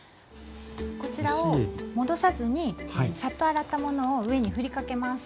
こちらを戻さずにサッと洗ったものを上に振りかけます。